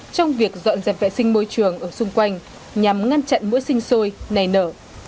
trong việc dọn dẹp vệ sinh môi trường ở xung quanh nhằm ngăn chặn mũi sinh sôi này nở